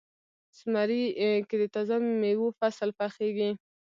زمری کې د تازه میوو فصل پخیږي.